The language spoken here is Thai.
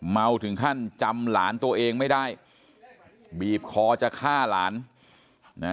ถึงขั้นจำหลานตัวเองไม่ได้บีบคอจะฆ่าหลานนะ